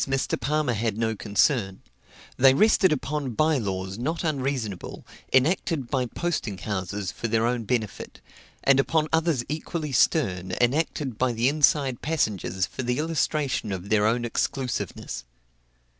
With some of these Mr. Palmer had no concern; they rested upon bye laws not unreasonable, enacted by posting houses for their own benefit, and upon others equally stern, enacted by the inside passengers for the illustration of their own exclusiveness.